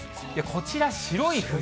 こちら、白い藤。